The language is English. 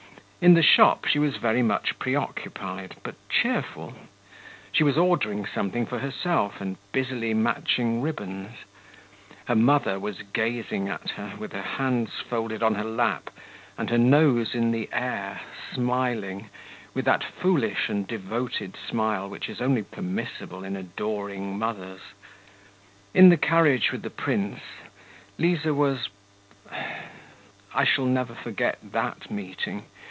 In the shop she was very much preoccupied, but cheerful.... She was ordering something for herself, and busily matching ribbons. Her mother was gazing at her, with her hands folded on her lap, and her nose in the air, smiling with that foolish and devoted smile which is only permissible in adoring mothers. In the carriage with the prince, Liza was ... I shall never forget that meeting!